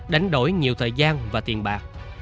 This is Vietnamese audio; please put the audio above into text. đánh đổi nhiều thời gian và tiền bạc